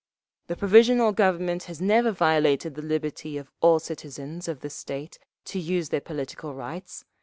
"… The Provisional Government has never violated the liberty of all citizens of the State to use their political rights….